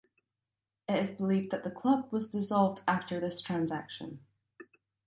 It is believed that the club was dissolved after this transaction.